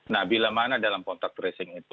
nah bila mana dalam kontak tracing itu